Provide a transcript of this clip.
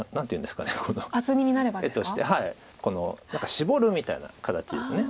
シボるみたいな形です。